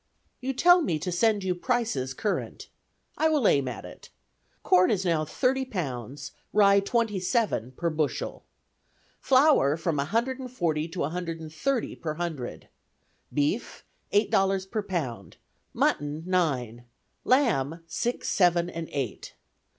"You tell me to send you prices current. I will aim at it. Corn is now thirty pounds, rye twenty seven, per bushel. Flour from a hundred and forty to a hundred and thirty per hundred. Beef, eight dollars per pound; mutton, nine; lamb, six, seven, and eight.